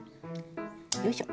よいしょ。